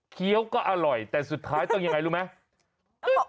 ี้ยวก็อร่อยแต่สุดท้ายต้องยังไงรู้ไหม